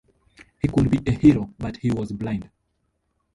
He could be a hero, but he was blind.